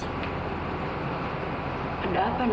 kau ingin hidup terus